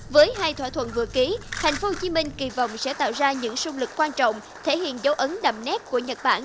với hai thỏa thuận vừa ký tp hcm kỳ vọng sẽ tạo ra những xung lực quan trọng thể hiện dấu ấn đậm nét của nhật bản